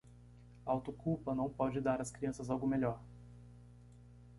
Auto-culpa não pode dar às crianças algo melhor